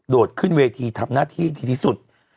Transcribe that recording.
ขึ้นเวทีทำหน้าที่ดีที่สุด